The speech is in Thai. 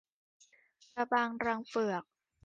กะบังรังเฝือก